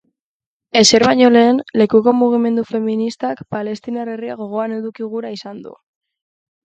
Ezer baino lehen, lekuko Mugimendu Feministak palestinar herria gogoan eduki gura izan du.